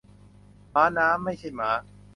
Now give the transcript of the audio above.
ม้าน้ำ ไม่ใช่ม้า